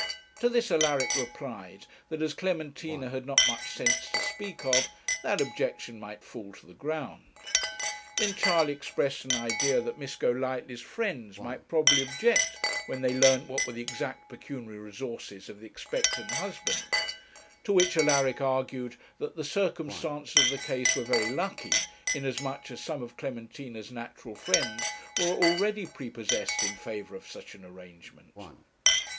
To this Alaric replied that as Clementina had not much sense to speak of, that objection might fall to the ground. Then Charley expressed an idea that Miss Golightly's friends might probably object when they learnt what were the exact pecuniary resources of the expectant husband; to which Alaric argued that the circumstances of the case were very lucky, inasmuch as some of Clementina's natural friends were already prepossessed in favour of such an arrangement.